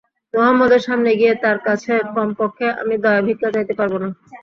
মুহাম্মাদের সামনে গিয়ে তার কাছে কমপক্ষে আমি দয়া ভিক্ষা চাইতে পারব না।